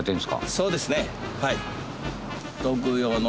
そうですねはい。